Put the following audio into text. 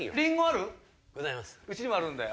うちにもあるんだよ。